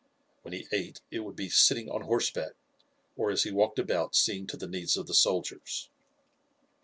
When he ate it would be sitting on horseback, or as he walked about seeing to the needs of the soldiers.